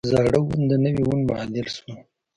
زاړه وون د نوي وون معادل شول.